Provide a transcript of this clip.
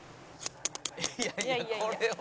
「いやいやこれは」